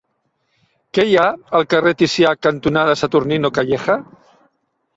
Què hi ha al carrer Ticià cantonada Saturnino Calleja?